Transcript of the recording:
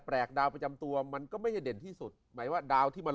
ดาวประจำตัวมันก็ไม่ได้เด่นที่สุดหมายว่าดาวที่มัน